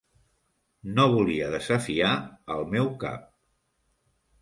No volia desafiar al meu cap.